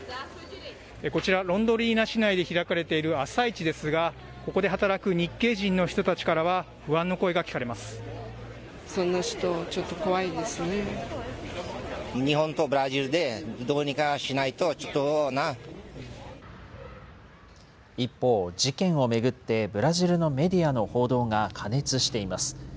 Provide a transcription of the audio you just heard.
こちら、ロンドリナ市内で開かれている朝市ですが、ここで働く日系人の人たちからは、不安の声が聞かれ一方、事件を巡ってブラジルのメディアの報道が過熱しています。